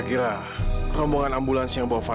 selamatkan dia ya allah